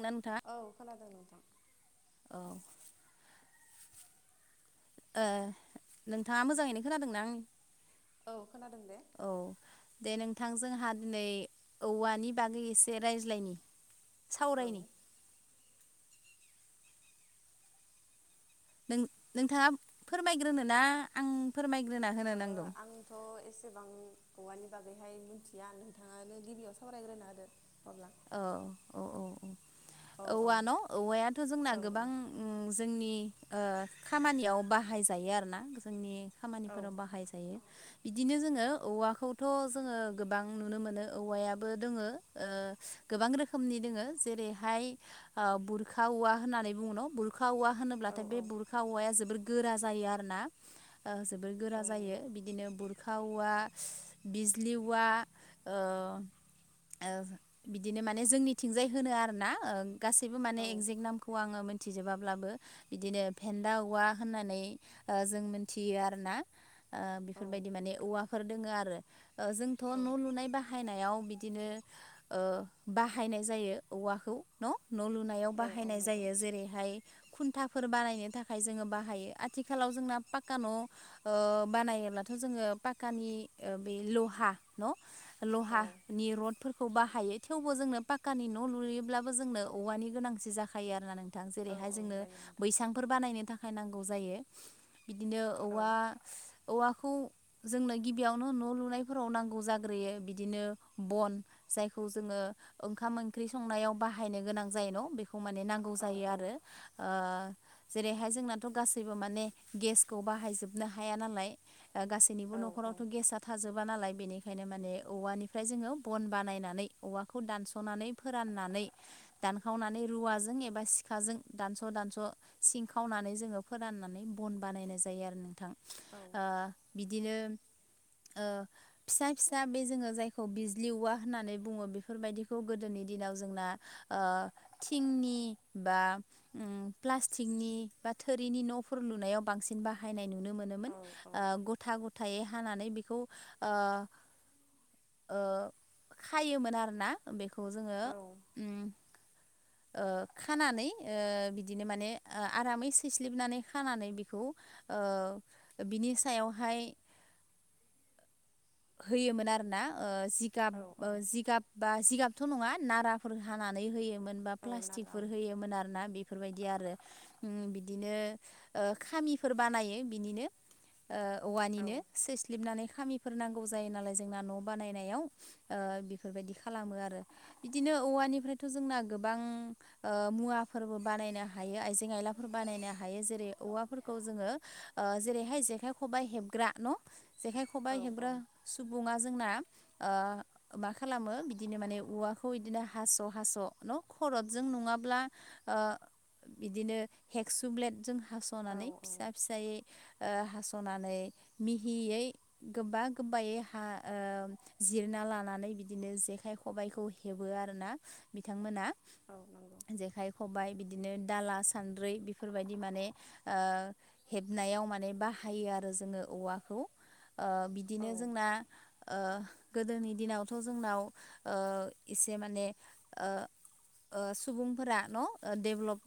ना नोंथाङा औ खोनादों नोंथां औ ओ नोंथाङा मोजाङैनो खोनादोंना आंनि औ खोनादों दे औ दे नों थां जोंहा दिनै औवानि बागै एसे रायज्लायनि औ सावरायनि नों नोंथाङा फोरमायग्रोनो ना आं फोरमायग्रोना होनो नांगौ आं औवानि बागैहाय मिथिया नोंथाङानो गिबियाव सावरायग्रोनो होदो अब्ला औ औ औ औ। औ औ औवा न' औवायाथ जोंना औ गोबां जोंनि। ओ खामानियाव बाहायजायो आरोना जोंनि खामानिफोराव औ बाहाय जायो बिदिनो जोङो नो ओ औवाखौथ जोङो गोबां नुनो मोनो औवायाबो दोङो गोबां रोखोमनि दोङो जेरैहाय ओ बुरखा औवा होननानै बुङोन बुर खा औवा होनोब्लाथाय बे औ बुरखा औवाया जोबोर गोरा जायो आरो ना जोबोर गोरा औ जायो नंगौ बिदिनो बुर खा औवा बिज्लि औवा ओ ओ बिदिनो माने जोंनिथिंजाय होनो आरो ना गासैबो माने औ एगजेक्ट नामखौ आङो मोन मिथिजोबाब्लाबो बिदिनो फेन्दा औवा होननानै ओ जों मिथियो आरोना ओ औ बेफोरबायदि माने औवाफोर दोङो आरो ओ जोंथ औ न लुनाय बाह हायनायाव बिदिनो ओ बाहायनाय जायो औवाखौ न' न' लुनायाव औ औ बाहायनाय नंगौ जायो जेरैहाय खुन्थाफोर बानायनो थाखाय जोङो बाहायो आथिखालाव जोंना पाक्का न' ओ बानाय जेनेबाथ जोङो पाक्कानि बे लहा न औ लहानि रडफोरखौ बाह यो थेवबो जोंनो पाक्कनि न' लुयोब्लाबो जोंनो औवानि गोनांथि जाखायो आरोना नों थां औ जेरैहाय औ जोंनो जायो नोंथां बैसांफोर बानायनो थाखाय नांगौ जायो बिदिनो औ औवा। औवाखौ जोंनो गिबियावनो न' लुनायफोराव नांगौ जाग्रोयो बिदिनो बन जायखौ जोङो ओंखाम ओंख्रि संनायाव बाहायनो गोनां जाय न' बेख खौ माने नांगौ औ जायो औ आरो ओ। जेरैहाय जोंनाथ गासैबो माने गेसखौ बाहायजोबनो हाया नालाय ओ गासैनिबो औ औ नखरावथ गेस थाजोबा नालाय बेनिखायनो माने औवानिफ्राय जोङो बन बानायनानै औवाखौ दानसनानै फोराननानै दानखनानै रुवाजों एबा सिखाजों जों दानस दानस सिंखावनानै जोङो फोराननानै बन बानायनाय जायो आरो नोंथां। औ ओ बिदिनो। ओ फिसा फिसा बे जोङो जायखौ बिज्लि औवा। होननानै बुङो बेफोरबायदिखौ गोदोनि दिनाव जोंना ओ थिंनि बा। ओ प्लास्टिकनि बा थोरिनि नफोर लुनायाव बांसिन बाहायनाय नु नोमोन ओ गथा गथायै हानानै बेख खौ ओ ओ खायोमोन आरो ना बे खौ जोङो औ उम ओ खानानै ओ बिदिनो माने ओ आरामै सैस्लिबनानै खानानै बेखौ। ओ बिनि सायावहाय। होयोमोन आरो ना ओ। जिगाब औ जिगाब बा जिगाबथ नङा नाराफोर हानानै होयोमोन बा औ नारा प्लास्टिकफोर औ होयोमोन आरो ना बेफोर बायदि आरो उम बिदिनो ओ खामिफोर बानायो बिनिनो ओ औवानिनो सैस्लिबनानै खामिफोर नांगौ जायो नालाय जोंना न' बानायनायाव ओ बेफोरबायदि खालामो आरो बिदिनो औवानिफ्रायथ' जोंना गो बां ओ मुवाफोरबो बानायनो हायो आइजें आइलाफोर बानायनो हायो। जेरै औवाफोरखौ जोङो ओ जेरैहाय जेखाय खबाइ हेबग्रा न' जेखाइ औ खबाइ हेबग्रा सुबुंआ जोंना ओ मा खालामो बिदिनो माने औवाखौ बिदिनो हास'-हास' न' खरदजों नङाब्ला ओ बिदिनो हेक्सुब्लेटजों औ हास'नानै फिसा-फिसायै ओ हास' नानै मिहियै गोबा-गोबा यै हा ओ जिरना लानानै बिदिनो जेखाइ खबाइखौ हेबो आरो ना बिथांमोना। औ नंगौ जेखाइ खबाइ बिदिनो दाला सान्द्रै बेफोरबायदि माने हेबनायाव माने बाहायो आरो जोङो। औवाखौ औ बिदिनो जोंना ओ गोदोनि दिनावथ' जोंनाव ओ एसे माने ओ ओ सुबुंफोरा न' डेभ्लप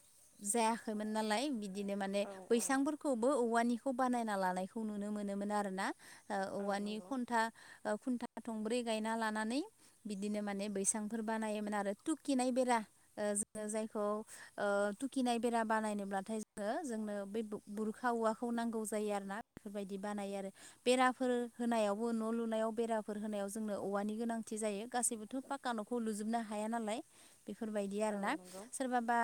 जायाखैमोन नालाय बिद बिदिनो माने औ औ बैसांफोरखौबो औवानिखौ बानायना लानायखौ नुनो मोनोमोन आरो ना। औ ओऔवानि नंगौ खन्था-खुन्था थंब्रै गायना लानानै बिदिनो माने बैसांफोर बानायोमोन आरो तुकिनाय बेरा ओ जोङो जायखौ ओ तुकिनाय बेरा बानायनोब्लाथाय जोङो जोंनो बे बुरखा औवाखौ नांगौ जायो आरो ना बेफोरबायदि बानायो आरो बेराफोर होनायावबो न' लुनायाव बे बेराफोर होनायाव जोंनो औवानि गोनांथि जायो गासैबोथ' फाक्का न'खौ लुजोबनो हाया नालाय। बेफोरबायदि आरो औ ना नंगौ सोरबाबा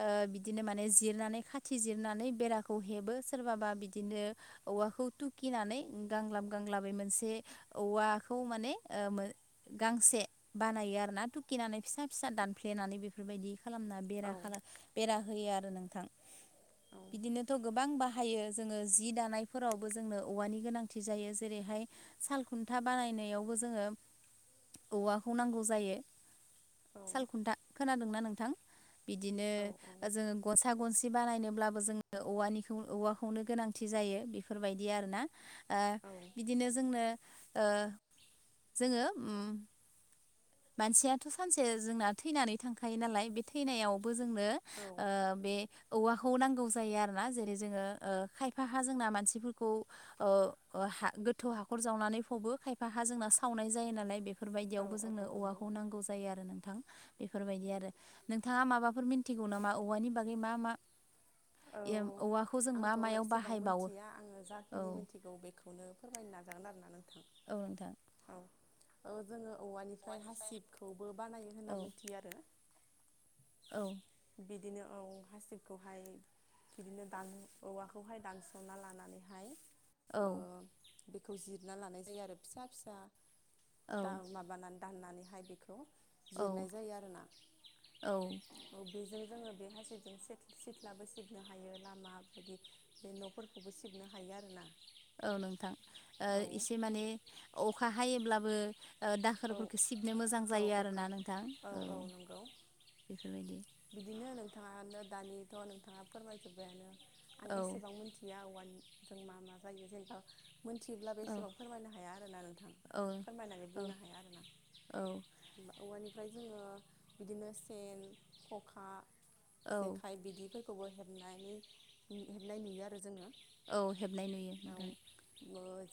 ओ बिदिनो माने जिरनानै खाथि जिरनानै बेराखौ हेबो सोरबाबा बिदिनो औवा खौ तुखिनानै गांलाब गांलाबै मोनसे औवाखौ माने ओ गां गांसे बानायो आरो ना तुकिनानै फिसा-फिसा दान हेनानै बेफोरबायदि खालामना औ बेरा [unintelligible] बेरा होयो आरो नोंथां। औ बिदिनोथ' गोबां बाह बायो जोङो जि दानायफोरावबो जोंनो औवानि गोनांथि जायो। जेरैहाय सालखुन्था बानाय नैयावबो जोङो औवाखौ नांगौ जायो। औ। सालखुन्था खोनादोंना नोंथां बिदिनो औ जोङो गसा गनसि बानायनो ब्लाबो जोङो औवानिखौ औवाखौनो गोनांथि जायो बेफोरबायदि आरो ना। ओ औ बिदिनो जोंनो ओ जोङो ओम मानसियाथ' सानसे जोंना थैनानै थांखायो नालाय बे थैनायावबो जोंनो ओ बे औवाखौ नांगौ जायो आरो ना जेरै जोङो खायफा हा जोंना मानसिफोरखौ ओ हा गोथौ हाखर जावनानै फबो खायफा हा जोंना सावनाय जायो नालाय बेफ औ बेफोरबायदियावबो औ जोंनो नंगौ औवाखौ नांगौ जायो आरो नोंथां। बेफोरबायदि आरो नोंथाङा माबाफोर मिन्थिगौ नामा औवानि बागै मा-मा औ एम औवा आंथ' एसेबां मिथिया आङो औ जाखिनि मिथिगौ बेखौनो फोरमायनो नाजागोन आरो ना नों औ नोंथां। औ जोङो औवानिफ्राय हासिबखौबो बानायो औ होनना मिथियो आरो। औ बिदिनो औ हासिबखौहाय बिदिनो दान औवाखौहाय दानसना लानानैहाय ओ औ बेखौ जिरना लानाय जायो आरो फिसा-फिसा औ दा माबानानै दाननानैहाय बेखौ औ जिरनाय जायो आरो ना। औ बेजों जोङो बे हासिबजों सेथ सेथ्लाबो सिबनो हायो लामा बिदि बे न'फोरखौबो सिब सिबनो हायो आरो ना। औ नोंथां एसे माने अखा हायोब्लाबो औ दाखोरफोरखौ सिबनो मोजां औ जायो अखा आरोना नोंथां औ। बेफोरबायदि बिदिनो नोंथाङानो दानि थ' नोंथाङा फोरमायजोब्बायानो आं औ एसेबां मिथिया औवानि जों मा मा जायो जेनेबा मोनथियोब्ला औ बेसेबां फोरमायनो हाया आरोना नोंथां औ फोरमायनानै बुंनो हा औ औवानिफ्राय जोङो बिदिनो सेन, खखा, औ जेखाइ बिदिफोरखौबो हेबनानै हेबनाय नुयो आरो जोङो। औ हेबनाय नुयो आं ओ नोथां।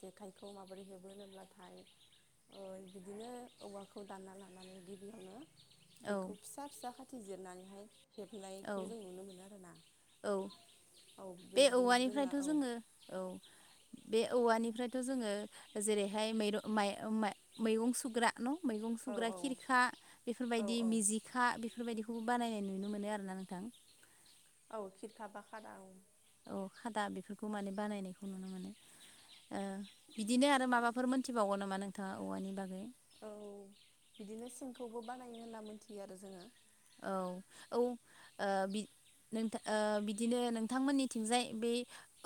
जेखाइखौ माबोरै हेबोनोब्लाथाय बिदिनो औवाखौ दानना लानानै गिबियावनो औ बेखौ फिसा फिसा खाथ थि जिरनानैहाय औ हेबनायखौ जों नुनो मोनो आर ना। औ बे औवानिफ्रायथ' जोङो औ बे औवानिफ्रायथ' जोङो जेरैहाय मेर' माइ- मा मैगं सुग्रा न' मैगं औ सुग्रा औ खिरखा औ बेफोरबायदि औ मिजिखा बेफोरबायदिखौबो बानायनाय नुनो मोनो आरो ना नोथां। औ खिरखाबा खादा औ। औ खादा बेफोरखौ माने बानायनायखौ नुनो मोनो। बिदिनो आरो माबाफोर मोनथिबावगौ नामा नोंथाङा औवानि बागै। औ बिदिनो सिंखौबो बानायो होनना मोनथियो आरो जोङो। औ औ ओ बि नोंथा बिदिनो नोंथांमोननिथिंजाय बे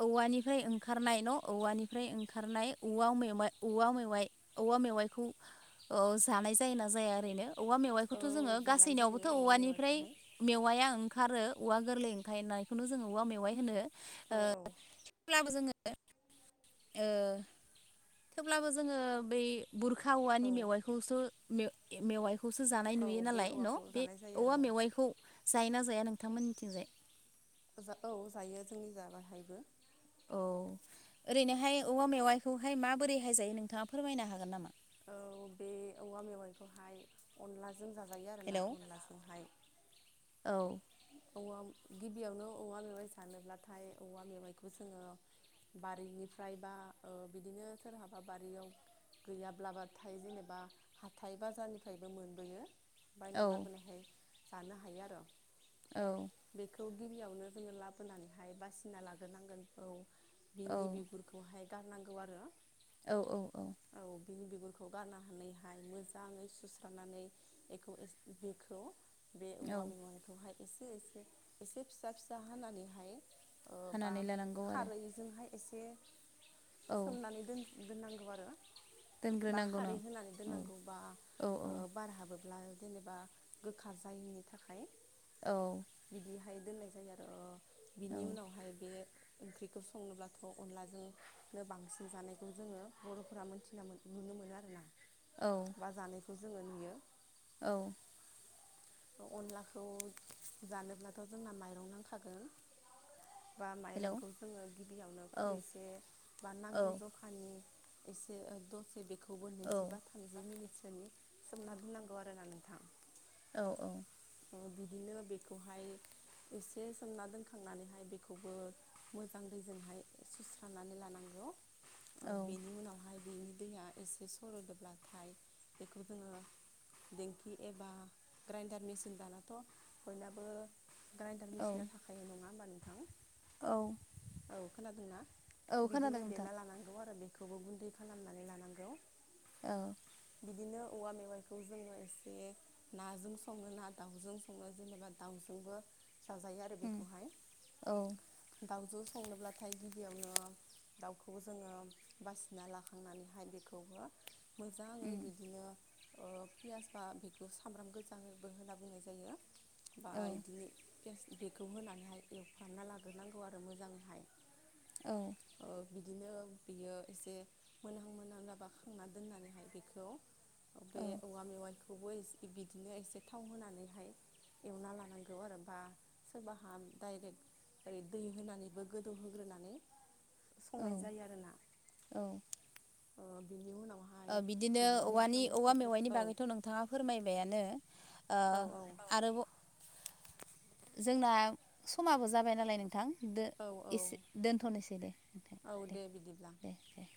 औवानिफ्राय ओंखारनाय न' औवानि फ्राय ओंखारनाय औवा मेमाय- औवा मेवाइ- औवा मेवायखौ औ जानाय जाय ना जाया ओरैनो? औवा मेवाइखौथ' औ जोङो जानाय गासैनियावबो जायो औवा औवानिफ्राय मेवाइखौहाय मेवाया ओंखारो औवा गोरलै ओंखारनायखौनो जोङो औवा मेवाइ होनो। ओ औ औ थेब्लाबो जोङो ओ थेवब्लाबो जोङो बै बुरखा औ औवानि मेवाइखौसो मे - मेवाइखौ खौसो जानाय औ नुयो बे नालाय औवाखौ न' बे जानाय जायो औवा आरो मेवाइखौ जाय ना जाया नोंथांमोनिथिंजाय? जा औ जायो जोंनि ज बाहायबो। औ ओरैनोहाय औवा मेवाइखौहाय माबोरैहाय जायो नोंथाङा फोरमायनो हागोन नामा? औ बे औवा मेवाइखौहाय अनलाजों जा जायो आरोना हेलौ अनलाजोंहाय। औ वाम गिबियावनो औवा मेवाइ जानोब्लाथाय औवा मेवाइखौ जोङो बारिनिफ्राय बा ओ बिदिनो सोरहाबा बारियाव गैयाब्लाबाथाय जेनेबा हाथाय बाजारनिफ्रायबो मोनबोयो। बायना औ लाबोनायहाय जानो हायो आरो। औ। खौ गिबियावनो जोङो लाबोनानैहाय बासिना लाग्रोनांगोन औ औ बिनि बिगुरखौहाय गारनांगौ आरो। औ औ औ। बिनि बिगुरखौ गारनानानैहाय मोजाङै सुस्रनानै बेखौ एस बेखौ बे औवा औ मेवाइखौहाय एसे- एसे एसे फिसा-फिसा हानानैहाय बा हानानै लानांगौ आरो खारैजोंहाय एसे औौ सोमनानै दोन- दोननांगौ आरो। बा दोनग्रोनांगौ खारै न' होनानै औ दोननांगौ बा औ बारहाबो ब्ला जेनेबा गोखा जायैनि थाखाय। औ। फाय दोननाय जायो आरो औ बिनि उनावहाय बे ओंख्रिखौ संनोब्लाथ' अनलाजोंनो बांसिन जानायखौ जोङो बर'फोरा मोनथिना मोन न नुनो मोनो आरो ना औ बा जानायखौ जोङो नुयो औ अनलाखौ जानोब्लाथ' जोंना माइरं नांखागोन बा हेलौ माइरंखौ जोङो गिबियावनो औ खुरैसे बा औ नांगौ जखानि एसे दसे बेखौबो औ नैजिबा थामजि मिनिट बिसनि सोमना दोननांगौ आरोना नोंथां अ औ बिदिनो बेखौहाय एसे सोमना दोनखांनानैहाय बेखौबो मोजां दैजोंहाय सुस्रानानै लानांगौ बेनि उनावहाय बिनि दैया एसे सर'दोबब्लाथाय बेखौ जोङो दिेंखि एबा ग्राइन्डार मेसििन दानाथ' बयनाबो ग्राइडार औ मेसिना थाखाय नङा होमबानो औ औ खोनादोंना औ खोनादों बिदिनो नोंथां देरना लानांगौ आरो खौबो गुन्दै खालामनानै लानांगौ औ बिदिनो औवा मेवाइखौ जोङो एसे नाजों सङो ना दाउजों सङो जेनेबा दाउजोंबो जाजायो आरो उम बेखौहाय औ दाउ जु संनोब्लाथाय गिबियावनो दाउखौ जोङो बासिना लाखांनानैहाय बेखौबो मोजाङै उम बिदिनो पियस बा बेखौ सामब्राम गोजाबो होनना बुंनाय जायो बा औ बिदिनो स बेगखौ होनानैहाय एवफ्रामना लाग्रोनांगौ आरो मोजाङैहाय औ ओ बिदिनो बियो एसे मोनहां मोनहां जाबा खांना दोननानैहाय बेखौ बे औ औवा मेवाइखौबो बिदिनो एसे थाव होनानैहाय एवना लानांगौ आरो बा सोरबाहा डाइरेक्ट ओरै दै होनानैबो गोदौहोग्रोनानै संनाय औ जायो आरोोना बिनि उनाव बिदिनो औवानि औवा मेवाइनि औ बागैथ' नोंथाङा फोरमायबायानो औ औ आरो जोंना समाबो जाबाय नालाय नोंथां द औ एसे दोनथ'नोसै दे नोंथां औ दे बिदिब्ला दे दे